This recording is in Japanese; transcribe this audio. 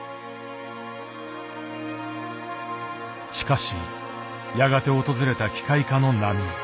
しかしやがて訪れた機械化の波。